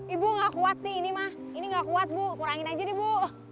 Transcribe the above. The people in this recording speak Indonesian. ibu nggak kuat sih ini mah ini gak kuat bu kurangin aja nih bu